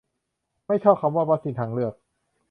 ไม่ชอบคำว่า "วัคซีนทางเลือก"